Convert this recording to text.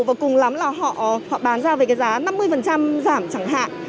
và cùng lắm là họ bán ra về cái giá năm mươi giảm chẳng hạn